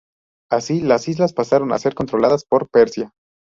Así, las islas pasaron a se controladas por Persia.